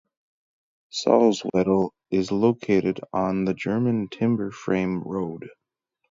Salzwedel is located on the German Timber-Frame Road.